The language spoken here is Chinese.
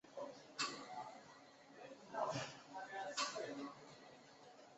山梨半造日本陆军军人。